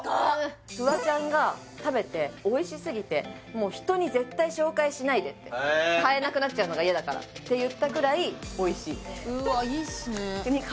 フワちゃんが食べておいしすぎてもう人に絶対紹介しないでって買えなくなっちゃうのが嫌だからって言ったくらいおいしいですうわーいいっすね